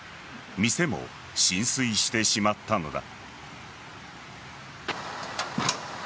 店も浸水してしまったのだ。